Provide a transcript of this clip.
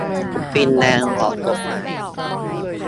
ฟินแลนด์ออกกฎหมาย